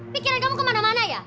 pikiran kamu kemana mana ya